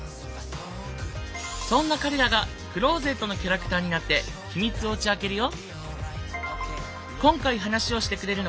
そんな彼らがクローゼットのキャラクターになってヒミツを打ち明けるよ。